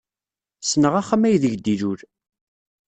Ssneɣ axxam aydeg d-ilul.